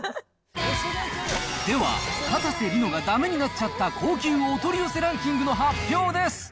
では、かたせ梨乃がだめになっちゃった高級お取り寄せランキングの発表